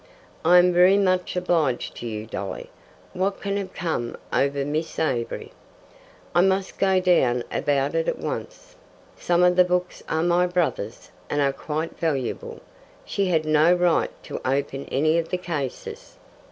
"I am very much obliged to you, Dolly. What can have come over Miss Avery? I must go down about it at once. Some of the books are my brother's, and are quite valuable. She had no right to open any of the cases."